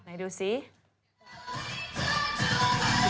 ไหนดูสิ